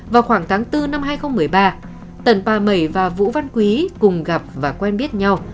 vào khoảng tháng bốn năm hai nghìn một mươi ba tần bà mẩy và vũ văn quý cùng gặp và quen biết nhau